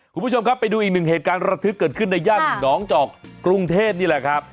คุณผู้ชมครับไปดูอีกหนึ่งเหตุการณ์ระทึกเกิดขึ้นในย่านหนองจอกกรุงเทพนี่แหละครับ